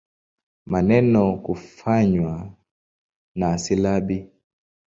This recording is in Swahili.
Maneno kufanywa na silabi.